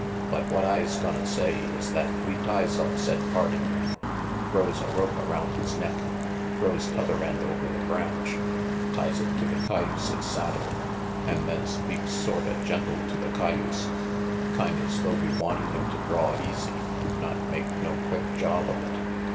But what I's gonna say is that we ties up said party, throws a rope around his neck, throws t'other end over the branch, ties it to the cayuse's saddle, an' then speaks sorta gentle to the cayuse, kind as though we wanted him to draw easy an' 86 RANGY PETE not make no quick job of it.